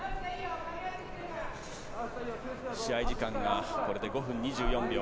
試合時間がこれで５分２４秒。